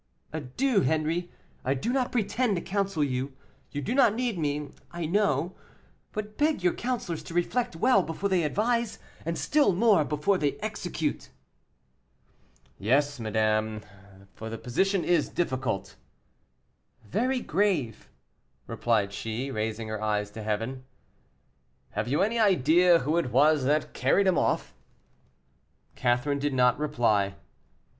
"Adieu, Henri! I do not pretend to counsel you you do not need me, I know but beg your counselors to reflect well before they advise, and still more before they execute." "Yes, madame, for the position is difficult." "Very grave," replied she, raising her eyes to heaven. "Have you any idea who it was that carried him off?" Catherine did not reply.